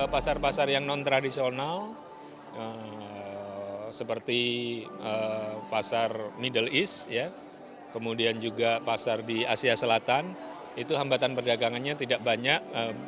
pasar pasar yang non tradisional seperti pasar middle east kemudian juga pasar di asia selatan itu hambatan perdagangannya tidak banyak